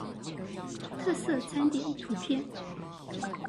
特色餐點圖片